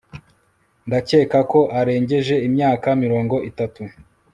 ndakeka ko arengeje imyaka mirongo itatu